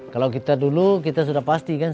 kalau kita dulu kita sudah pasti kan